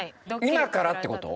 今からって事？